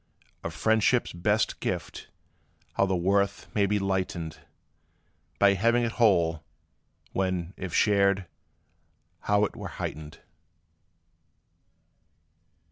Of friendship's best gift how the worth may be lightened By having it whole, when, if shared, how 't were heightened!